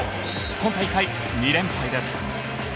今大会２連敗です。